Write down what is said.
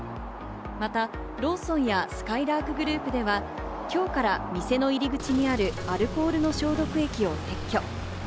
またローソンやすかいらーくグループでは、今日から店の入り口にあるアルコールの消毒液を撤去。